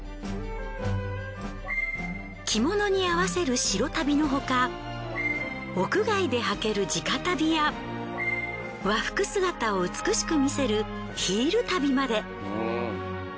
着物に合わせる白足袋のほか屋外で履ける地下足袋や和服姿を美しく見せるヒール足袋まで。